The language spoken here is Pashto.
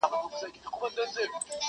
ګورﺉقاسم یار چي په ګناه کي هم تقوا کوي